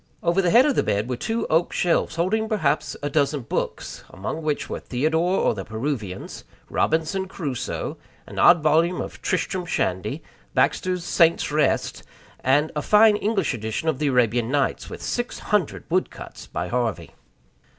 Over the head of the bed were two oak shelves, holding perhaps a dozen books among which were Theodore, or The Peruvians; Robinson Crusoe; an odd volume of Tristram Shandy; Baxter's Saints' Rest, and a fine English edition of the Arabian Nights, with six hundred wood cuts by Harvey.